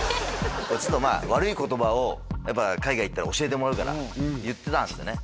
こうちょっとまあ悪い言葉をやっぱ海外行ったら教えてもらうから言ってたんですよね